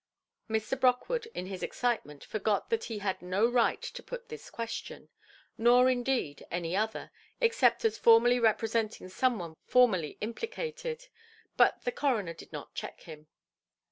Mr. Brockwood in his excitement forgot that he had no right to put this question, nor, indeed, any other, except as formally representing some one formally implicated. But the coroner did not check him.